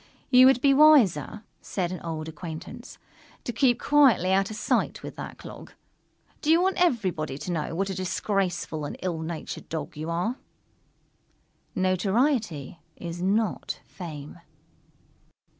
"You would be wiser," said an old acquaintance, "to keep quietly out of sight with that clog. Do you want everybody to know what a disgraceful and ill natured Dog you are?" _Notoriety is not fame.